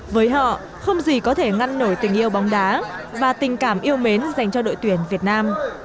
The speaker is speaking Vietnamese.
với họ không gì có thể ngăn nổi tình yêu bóng đá và tình cảm yêu mến dành cho đội tuyển việt nam